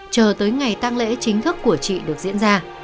chờ tới ngày tăng lễ chính thức của chị được diễn ra